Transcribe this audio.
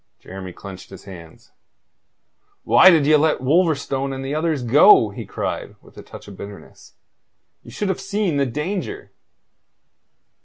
Jeremy clenched his hands. "Why did ye let Wolverstone and the others go?" he cried, with a touch of bitterness. "You should have seen the danger."